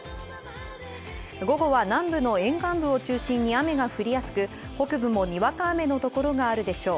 午後は南部の沿岸部を中心に雨が降りやすく北部もにわか雨の所があるでしょう。